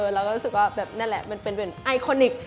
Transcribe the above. เราก็รู้สึกว่าแบบนั่นแหละมันเป็นไอโคนิค